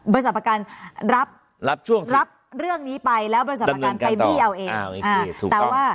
บริษัทประกันรับเรื่องนี้ไปแล้วบริษัทประกันไปวิเอาเอง